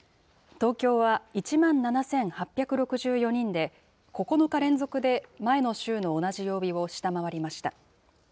東京は１万７８６４人で、９日連続で前の週の同じ曜日を下回りました。